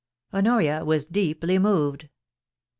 Honoria was deeply moved.